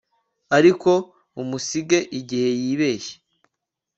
ariko umusige igihe yibeshye